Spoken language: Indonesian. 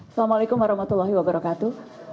assalamualaikum warahmatullahi wabarakatuh